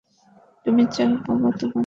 তুমি চাও বাবা তোমাকে না বাঁচাক?